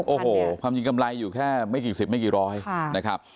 โอ้โหความจริงกำไรอยู่แค่ไม่กี่สิบไม่กี่ร้อยนะครับ